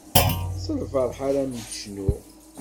S lferḥ ara m-d-cnuɣ.